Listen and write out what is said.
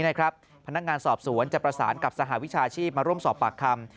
พนักงานสอบสวนจะประสานกับสหวิชาชีพมาร่วมสอบปากคำ